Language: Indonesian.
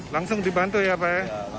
langsung dibantu ya pak